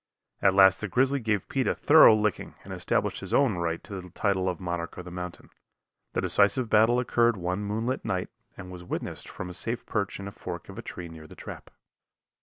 At last the grizzly gave Pete a thorough licking and established his own right to the title of monarch of the mountain. The decisive battle occurred one moonlight night and was witnessed from a safe perch in a fork of a tree near the trap.